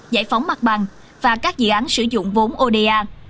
giải phóng mặt bằng và các dự án sử dụng vốn oda